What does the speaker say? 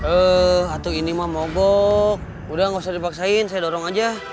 eh atuk ini mah mobok udah gak usah dibaksain saya dorong aja